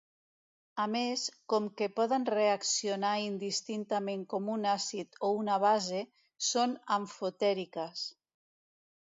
A més, com que poden reaccionar indistintament com un àcid o una base, són amfotèriques.